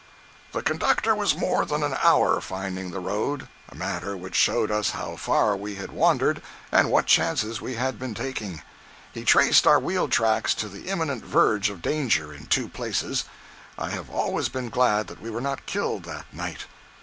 105.jpg (30K) The conductor was more than an hour finding the road—a matter which showed us how far we had wandered and what chances we had been taking. He traced our wheel tracks to the imminent verge of danger, in two places. I have always been glad that we were not killed that night.